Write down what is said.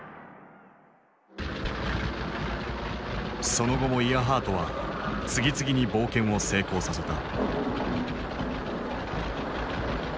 その後もイアハートは次々に冒険を成功させた。